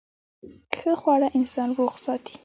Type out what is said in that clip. ښه خواړه انسان روغ ساتي.